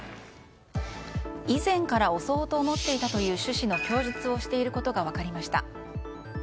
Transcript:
以前から襲おうと思っていたという趣旨の供述をしていることが分かりました。